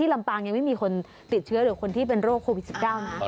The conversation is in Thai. ลำปางยังไม่มีคนติดเชื้อหรือคนที่เป็นโรคโควิด๑๙นะ